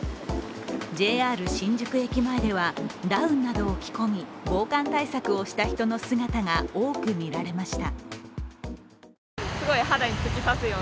ＪＲ新宿駅前ではダウンなどを着込み、防寒対策をした人の姿が多く見られました。